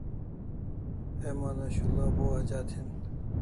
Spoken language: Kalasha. Heman o shul'a bo ajat hin